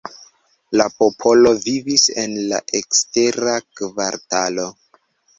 La popolo vivis en la ekstera kvartalo.